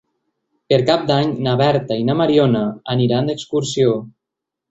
Per Cap d'Any na Berta i na Mariona aniran d'excursió.